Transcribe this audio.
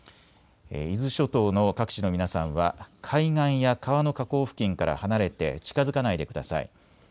伊豆諸島の各地の皆さんは海岸や川の河口付近から離れて近づかないでください。